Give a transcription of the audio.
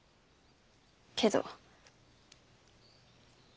けど。